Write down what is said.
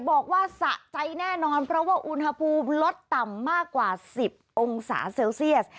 สะใจแน่นอนเพราะว่าอุณหภูมิลดต่ำมากกว่า๑๐องศาเซลเซียส